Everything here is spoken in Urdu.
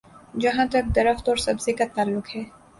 جہاں تک درخت اور سبزے کا تعلق ہے۔